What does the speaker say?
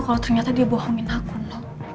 kalau ternyata dia bohongin aku noh